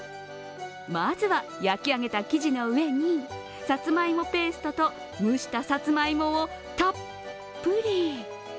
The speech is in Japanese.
まずは焼き上げた生地の上にさつまいもペーストと蒸したさつまいもをたっぷり。